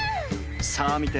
さあ見て！